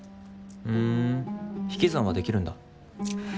ふん引き算はできるんだ。